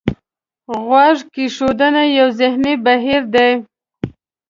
غوږ کېښودنه یو ذهني بهیر دی.